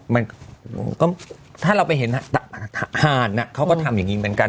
มันก็ถ้าเราไปเห็นห่านเขาก็ทำอย่างนี้เหมือนกัน